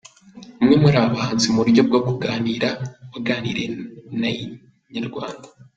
Umwe muri aba bahanzi mu buryo bwo kuganira waganiriye na Inyarwanda.